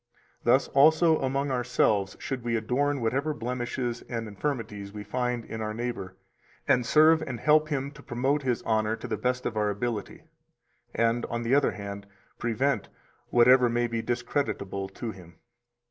288 Thus also among ourselves should we adorn whatever blemishes and infirmities we find in our neighbor, and serve and help him to promote his honor to the best of our ability, and, on the other hand, prevent whatever may be discreditable to him.